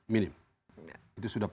minim itu sudah